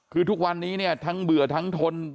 คือทุกวันนี้เนี่ยทั้งเบื่อทั้งทน